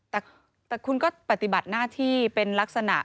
แต่คุณก็ปฏิบัติหน้าที่เป็นลักษณะ